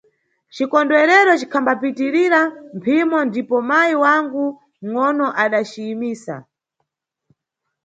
Cikondwerero cikhambapitirira mphimo ndipo mayi wangu mʼgono adaciyimisa.